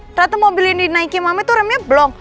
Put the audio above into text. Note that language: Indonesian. ternyata mobil yang dinaiki mama tuh remnya blong